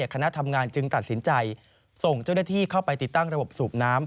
คณะทำงานจึงตัดสินใจส่งเจ้าหน้าที่เข้าไปติดตั้งระบบสูบน้ำ